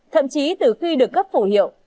thậm chí từ khi được cấp phù hiệu